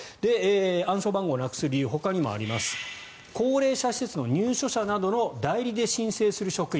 暗証番号をなくす理由はほかにも高齢者施設の入所者などの代理で申請する職員。